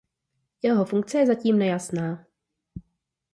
Jeho funkce je zatím nejasná.